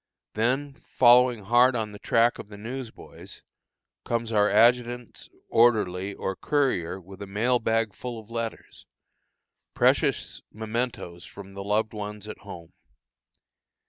Then, following hard on the track of the news boys, comes our adjutant's orderly or courier with a mail bag full of letters, precious mementos from the loved ones at home.